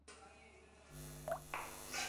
Iazko txapelduna bigarren txandara sailkatu da.